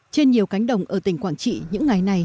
trên nhiều cánh đồng ở tỉnh quảng trị những ngày này